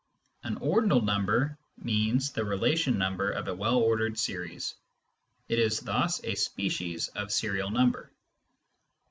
An " ordinal " number means the relation number of a well ordered series. It is thus a species of serial number.